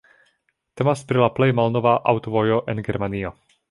Temas pri la plej malnova aŭtovojo en Germanio.